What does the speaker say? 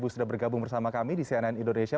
sudah bergabung bersama kami di cnn indonesia